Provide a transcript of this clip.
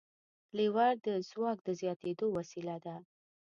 لیور د ځواک د زیاتېدو وسیله ده.